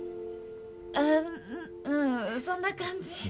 あっうんうんそんな感じ。